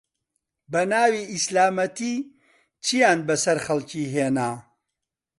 بەناوی ئیسلامەتی چیان بەسەر خەڵکی هێنا